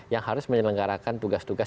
yang harus menyelenggarakan tugas tugas